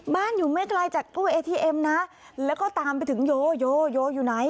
อยู่ไม่ไกลจากตู้เอทีเอ็มนะแล้วก็ตามไปถึงโยโยอยู่ไหน